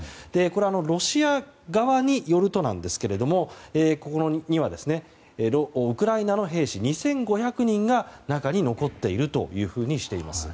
これはロシア側によるとなんですがここにはウクライナの兵士２５００人が中に残っているとしています。